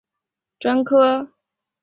早年就读于于上海美术专科学校。